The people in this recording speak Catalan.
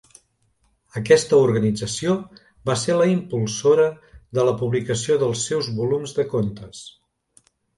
Aquesta organització va ser la impulsora de la publicació dels seus volums de contes.